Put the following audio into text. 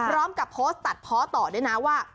พร้อมกับโพสต์ตัดเพาะต่อด้วยนะว่า